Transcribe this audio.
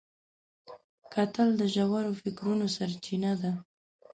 کتل د ژور فکرونو سرچینه ده